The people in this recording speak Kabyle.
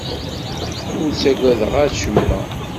Ur ttaggadeɣ acemma.